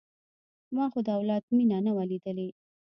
ما خو د اولاد مينه نه وه ليدلې.